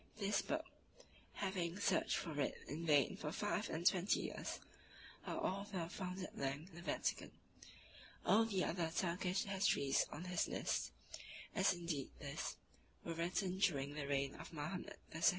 This book (having searched for it in vain for five and twenty years) our author found at length in the Vatican. All the other Turkish histories on his list, as indeed this, were written during the reign of Mahomet II.